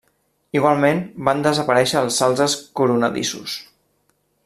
Igualment, van desaparèixer els salzes coronadissos.